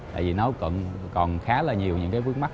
tại vì nó còn khá là nhiều những bước mắt